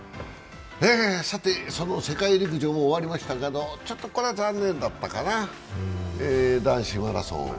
さて、その世界陸上も終わりましたけど、ちょっとこれは残念だったかな男子マラソン。